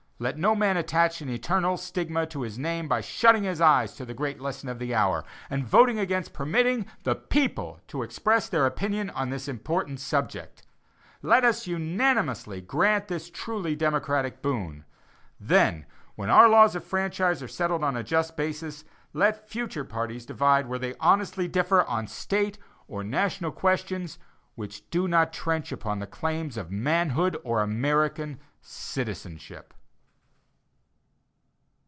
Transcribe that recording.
Let no man attach an eternal stigma to his name by shutting his eyes to the great lesson of the hour, and voting against permitting the people to express their opinion on this important subject. Let us unanimously grant this truly democratic boon. Then, when our laws of franchise are settled on a just basis, let future parties divide where they honestly differ on State or national questions which do not trench upon the claims of manhood or American citizenship.